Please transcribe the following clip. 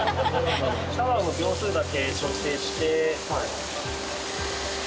シャワーの秒数だけ調整して。